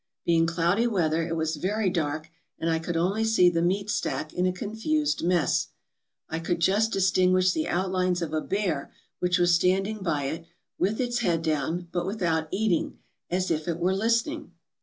Being cloudy weather, it was very dark, and T could only see the meat stack in a confused mass. I could just distinguish the outlines of a bear, which was stand ing by it, with its head down, but without eating, as if it were listening.